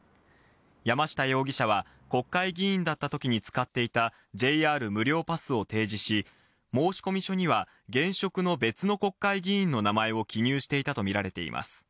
山下容疑者は、国会議員だったときに使っていたＪＲ無料パスを提示し、申し込み書には現職の別の国会議員の名前を記入していたと見られています。